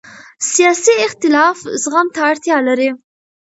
سیاسي اختلاف زغم ته اړتیا لري